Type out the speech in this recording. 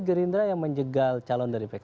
gerindra yang menjegal calon dari pks